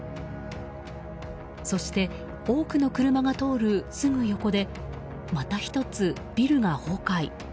そして、多くの車が通るすぐ横でまた１つ、ビルが崩壊。